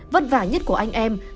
vất vả nhất của anh em